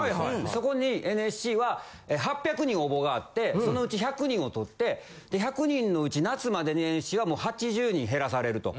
そこにＮＳＣは８００人応募があってそのうち１００人をとってで１００人のうち夏までにＮＳＣは８０人減らされると。